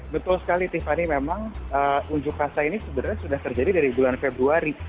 betul sekali tiffany memang unjuk rasa ini sebenarnya sudah terjadi dari bulan februari